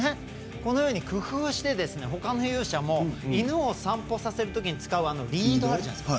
このように工夫してほかの勇者も犬を散歩させるときに使うリードがあるじゃないですか。